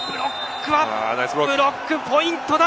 ブロックポイントだ。